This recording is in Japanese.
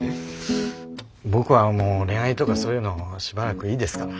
僕はもう恋愛とかそういうのしばらくいいですから。